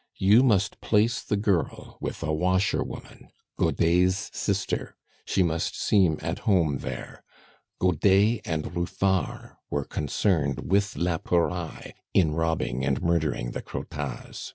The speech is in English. You must place the girl with a washerwoman, Godet's sister; she must seem at home there. Godet and Ruffard were concerned with la Pouraille in robbing and murdering the Crottats.